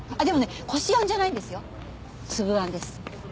でもねこしあんじゃないんですよ粒あんです。